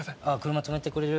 車止めてくれる？